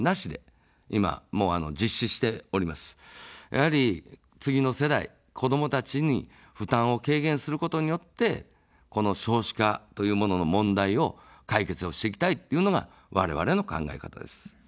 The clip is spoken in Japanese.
やはり、次の世代、子どもたちに負担を軽減することによって、この少子化というものの問題を解決をしていきたいというのがわれわれの考え方です。